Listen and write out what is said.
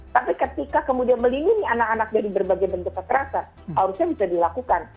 tapi ketika kemudian melindungi anak anak dari berbagai bentuk kekerasan harusnya bisa dilakukan